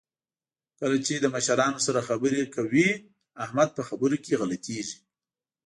کله چې له مشرانو سره خبرې کوي، احمد په خبرو کې غلطېږي.